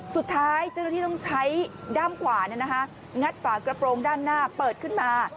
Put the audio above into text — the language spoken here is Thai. สุดท้ายเจ้าหน้าที่ต้องใช้ด้ามขวางัดฝากระโปรงด้านหน้าเปิดขึ้นมา